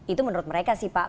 itu menurut mereka sih pak